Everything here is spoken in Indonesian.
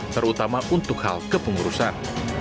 terutama untuk hal kepengurusan